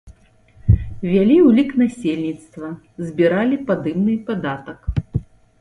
Вялі ўлік насельніцтва, збіралі падымны падатак.